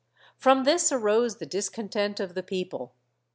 From this arose the discontent of the people."